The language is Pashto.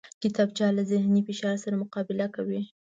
کتابچه له ذهني فشار سره مقابله کوي